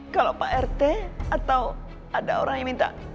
kalau pak rt atau ada orang yang minta